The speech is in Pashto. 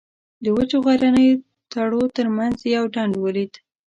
د وچو غرنیو تړو تر منځ یو ډنډ ولید.